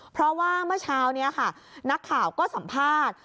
เพราะว่าเมื่อเช้านี้ค่ะนักข่าวก็สัมภาษณ์